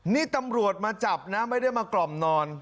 นี่ตำรวจมาจับนะไม่ได้มากล่อมนอน